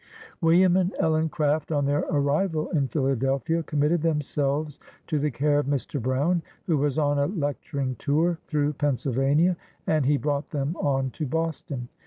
William and Ellen Craft, on their arrival in Phila delphia, committed themselves to the care of Mr. Brown, who was on a lecturing tour through Pennsyl vania, and he brought them on to Boston.